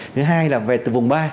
thứ hai là về từ vùng ba